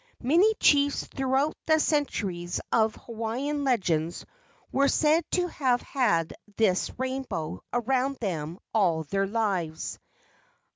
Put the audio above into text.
Many chiefs throughout the centuries of Hawaiian legends were said to have had this rainbow around them all their lives.